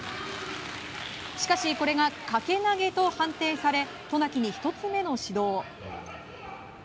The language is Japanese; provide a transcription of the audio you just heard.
しかし、これがかけ投げと判定され渡名喜に１つ目の指導。